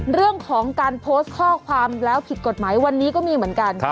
เรื่องของการโพสต์ข้อความแล้วผิดกฎหมายวันนี้ก็มีเหมือนกัน